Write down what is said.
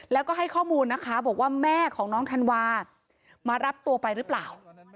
แล้วก็ให้ข้อมูลนะคะบอกว่าแม่ของน้องธันวามารับตัวไปหรือเปล่า